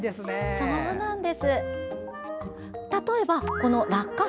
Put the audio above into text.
そうなんです！